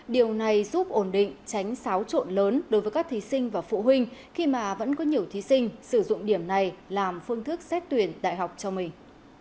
điều này giúp ổn định tránh xáo trộn lớn đối với các thí sinh và phụ huynh khi mà vẫn có nhiều thí sinh sử dụng điểm này làm phương thức xét tuyển đại học cho mình